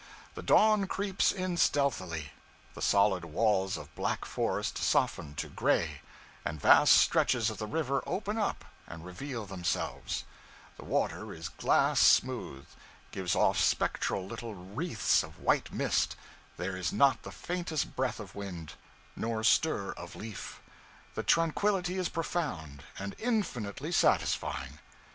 The dawn creeps in stealthily; the solid walls of black forest soften to gray, and vast stretches of the river open up and reveal themselves; the water is glass smooth, gives off spectral little wreaths of white mist, there is not the faintest breath of wind, nor stir of leaf; the tranquillity is profound and infinitely satisfying.